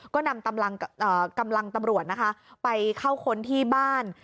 ก็นำกำลังตำรวจนะคะไปเข้าค้นที่บ้าน